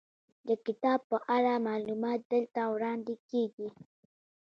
د کتاب په اړه معلومات دلته وړاندې کیږي.